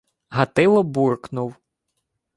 Гатило буркнув: